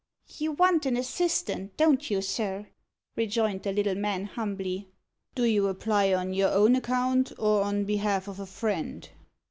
"You want an assistant, don't you, sir?" rejoined the little man humbly. "Do you apply on your own account, or on behalf of a friend?"